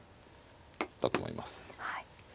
だと思います。